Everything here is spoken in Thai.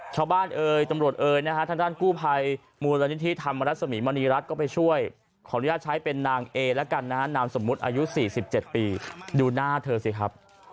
เอ่ยตำรวจเอยนะฮะทางด้านกู้ภัยมูลนิธิธรรมรสมีมณีรัฐก็ไปช่วยขออนุญาตใช้เป็นนางเอแล้วกันนะฮะนามสมมุติอายุ๔๗ปีดูหน้าเธอสิครับ